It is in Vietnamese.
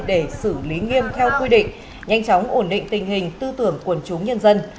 để xử lý nghiêm theo quy định nhanh chóng ổn định tình hình tư tưởng quần chúng nhân dân